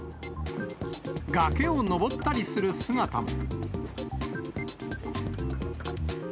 崖を登ったりする姿も。